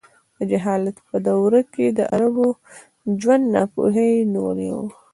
د جهالت په دوره کې د عربو ژوند ناپوهۍ نیولی و.